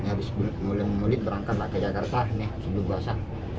abis muli muli pulang ke jakarta nih sebelum puasa